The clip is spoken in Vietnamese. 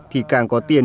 thì càng có tiền